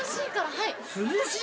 はい。